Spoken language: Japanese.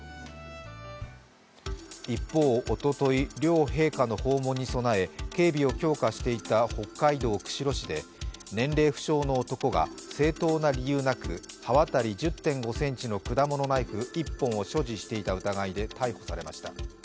一方、おととい、両陛下の訪問に備え警備を強化していた北海道釧路市で年齢不詳の男が正当な理由なく刃渡り１０．５ｃｍの果物ナイフ１本を所持していた疑いで逮捕されました。